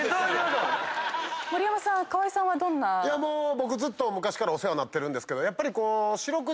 僕ずっと昔からお世話になってるんですけどやっぱりこう。